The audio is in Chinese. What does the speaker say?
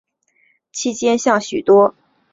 期间向许多宗教学者请教。